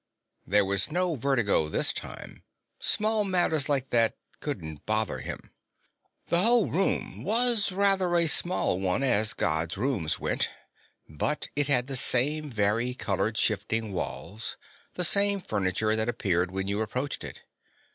There was no vertigo this time; small matters like that couldn't bother him. The whole room was rather a small one, as Gods' rooms went, but it had the same varicolored shifting walls, the same furniture that appeared when you approached it.